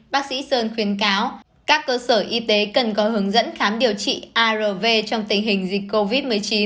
bác sĩ sơn khuyến cáo các cơ sở y tế cần có hướng dẫn khám điều trị arv trong tình hình dịch covid một mươi chín